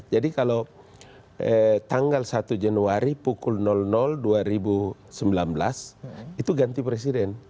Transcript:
jadi kalau tanggal satu januari pukul dua ribu sembilan belas itu ganti presiden